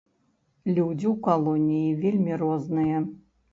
Людзі ў калоніі вельмі розныя.